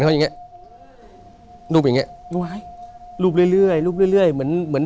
เขาอย่างเงี้ยรูปอย่างเงี้รูปไว้รูปเรื่อยเรื่อยรูปเรื่อยเรื่อยเหมือนเหมือน